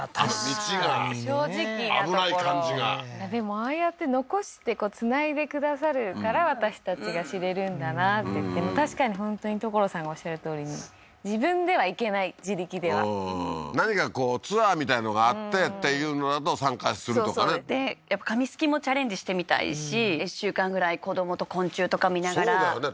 ああやって残してつないでくださるから私たちが知れるんだなってでも確かに本当に所さんがおっしゃるとおりに自分では行けない自力ではうーん何かこうツアーみたいのがあってっていうのだと参加するとかねで紙漉きもチャレンジしてみたいし１週間ぐらい子どもと昆虫とか見ながらそうだよね